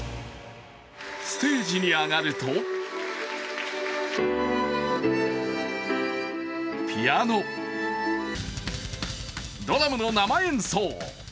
ステージに上がるとピアノ、ドラムの生演奏。